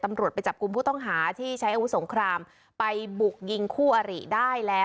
ตำรวจไปจับกลุ่มผู้ต้องหาที่ใช้อาวุธสงครามไปบุกยิงคู่อริได้แล้ว